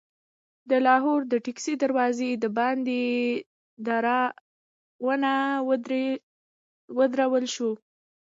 د لاهور د ټکسلي دروازې دباندې دارونه ودرول شول.